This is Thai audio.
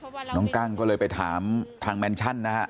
น้องกั้งก็เลยไปถามทางแมนชั่นนะฮะ